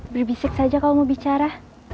berbisik saja kalau mau bicara